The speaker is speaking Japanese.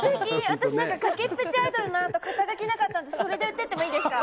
私崖っぷちアイドルのあと肩書きなかったのでそれで売っていってもいいですか？